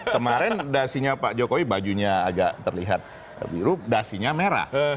kemarin dasinya pak jokowi bajunya agak terlihat biru dasinya merah